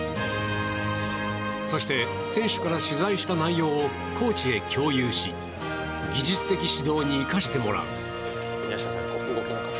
そして選手から取材した内容をコーチへ共有し技術的指導に生かしてもらう。